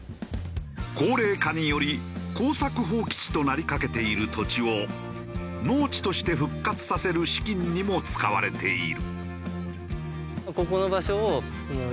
高齢化により耕作放棄地となりかけている土地を農地として復活させる資金にも使われている。